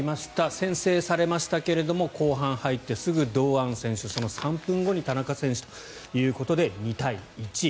先制されましたが後半に入ってすぐ堂安選手、その３分後に田中選手ということで２対１。